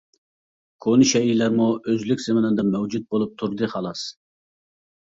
كونا شەيئىلەرمۇ ئۆزلۈك زېمىنىدا مەۋجۇت بولۇپ تۇردى، خالاس.